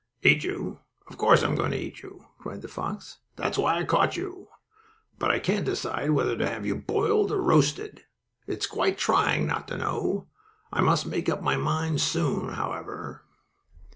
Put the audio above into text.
"Eat you? Of course, I'm going to eat you!" cried the fox. "That is why I caught you. But I can't decide whether to have you boiled or roasted. It's quite trying not to know. I must make up my mind soon, however."